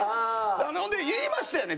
ほんで言いましたよね？